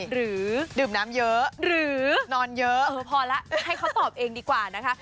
หรือดื่มน้ำเยอะหรือนอนเยอะพอแล้วให้เขาตอบเองดีกว่านะคะ